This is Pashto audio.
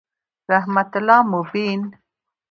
رحمت الله مبین